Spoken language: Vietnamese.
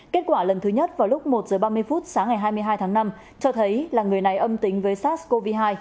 kết quả lần thứ nhất vào lúc một h ba mươi phút sáng ngày hai mươi hai tháng năm cho thấy là người này âm tính với sars cov hai